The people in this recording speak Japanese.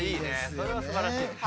それはすばらしい。